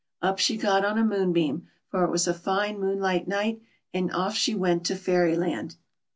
Up she got on a moonbeam, for it was a fine moon light night, and off she went to Fairyland.